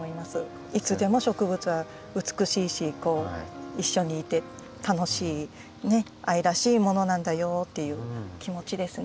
いつでも植物は美しいし一緒にいて楽しい愛らしいものなんだよっていう気持ちですね。